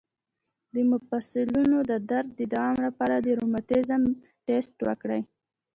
د مفصلونو د درد د دوام لپاره د روماتیزم ټسټ وکړئ